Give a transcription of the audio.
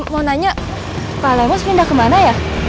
mau nanya pak lemos pindah kemana ya